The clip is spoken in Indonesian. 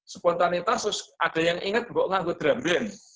spontanitas ada yang ingat bawa lagu drum band